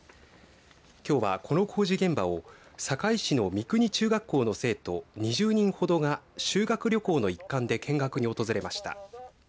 きょうは、この工事現場を坂井市の三国中学校の生徒２０人ほどが修学旅行の一環で見学に訪れました。